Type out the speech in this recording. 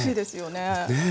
ねえ。